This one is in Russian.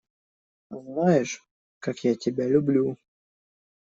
Знаешь, как я тебя люблю!